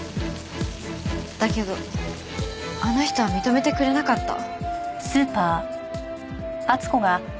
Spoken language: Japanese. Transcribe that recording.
だけどあの人は認めてくれなかった。